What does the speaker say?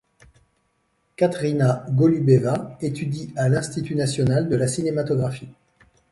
Katerina Golubeva étudie à l'Institut national de la cinématographie.